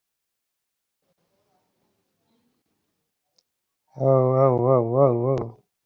বছরের শুরুতেই Gerard Martino একসঙ্গে ফিরে পেয়েছেন তাঁর ভয়ংকর চার অস্ত্র।